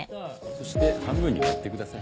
そして半分に割ってください。